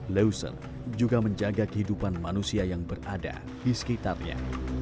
leuser juga menjaga kehidupan manusia yang berada di sekitarnya